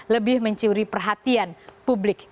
lebih mencuri perhatian publik